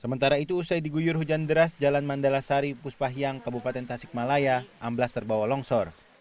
sementara itu usai diguyur hujan deras jalan mandala sari puspahyang kabupaten tasikmalaya amblas terbawa longsor